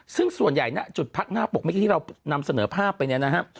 ซึ่งส่วนใหญ่ณจุดพักหน้าปกเมื่อกี้ที่เรานำเสนอภาพไปเนี่ยนะฮะ